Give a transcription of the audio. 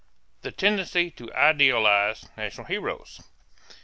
THE TENDENCY TO IDEALIZE NATIONAL HEROES.